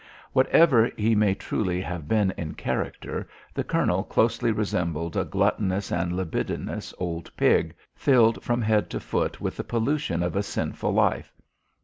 Whatever he may truly have been in character, the colonel closely resembled a gluttonous and libidinous old pig, filled from head to foot with the pollution of a sinful life.